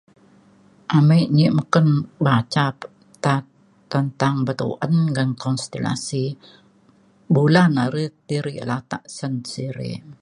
amik nyek meken baca pe ta tentang be'tuen ngan konstilasi bulan a're diak da latak sen siri